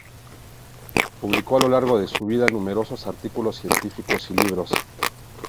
Publicó a lo largo de su vida numerosos artículos científicos y libros.